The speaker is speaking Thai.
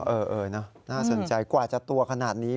เออนะน่าสนใจกว่าจะตัวขนาดนี้